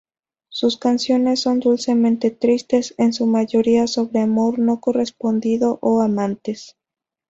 Sus canciones son dulcemente tristes, en su mayoría sobre amor no correspondido o amantes.